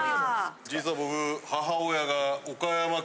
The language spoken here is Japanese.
実は僕。